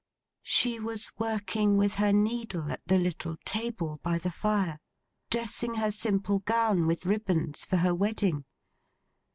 She was working with her needle, at the little table by the fire; dressing her simple gown with ribbons for her wedding.